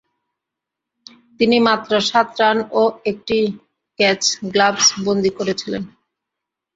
তিনি মাত্র সাত রান ও একটি ক্যাচ গ্লাভস বন্দী করেছিলেন।